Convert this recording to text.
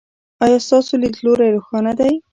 ایا ستاسو لید لوری روښانه دی؟